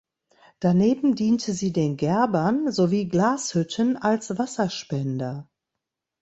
Daneben diente sie den Gerbern sowie Glashütten als Wasserspender.